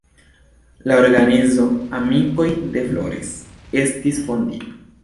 La organizo "amikoj de Flores" estis fondita.